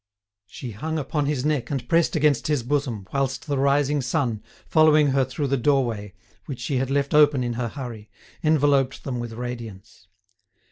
She hung upon his neck and pressed against his bosom, whilst the rising sun, following her through the doorway, which she had left open in her hurry, enveloped them with radiance.